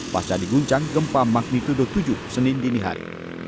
pasca diguncang gempa magnitudo tujuh senin dini hari